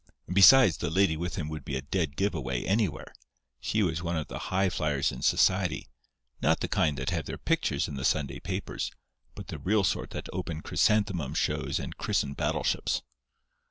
And besides, the lady with him would be a dead give away anywhere. She was one of the high flyers in Society—not the kind that have their pictures in the Sunday papers—but the real sort that open chrysanthemum shows and christen battleships.